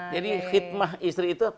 jadi khidmah istri itu apa